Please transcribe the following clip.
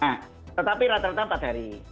nah tetapi rata rata empat hari